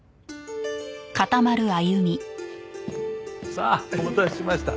さあお待たせしました。